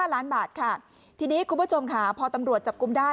ล้านบาทค่ะทีนี้คุณผู้ชมค่ะพอตำรวจจับกลุ่มได้